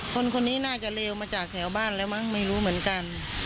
คนนี้น่าจะเลวมาจากแถวบ้านแล้วมั้งไม่รู้เหมือนกัน